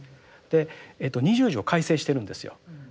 二十条を改正しているんですよ。